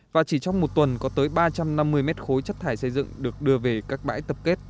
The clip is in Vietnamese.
và chỉ trong một tuần có tới ba trăm năm mươi mét khối chất thải xây dựng được đưa về các bãi tập kết